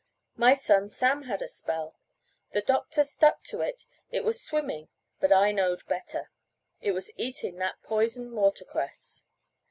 My son Sam had a spell. The doctor stuck to it it was swimmin' but I knowed better; it was eatin' that poison watercress."